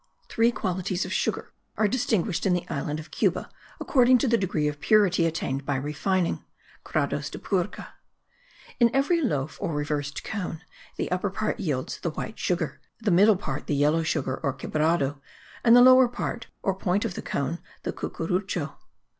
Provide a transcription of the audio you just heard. Three qualities of sugar are distinguished in the island of Cuba, according to the degree of purity attained by refining (grados de purga). In every loaf or reversed cone the upper part yields the white sugar; the middle part the yellow sugar, or quebrado; and the lower part, or point of the cone, the cucurucho.